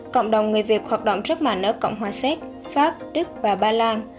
cộng đồng người việt hoạt động rất mạnh ở cộng hòa séc pháp đức và ba lan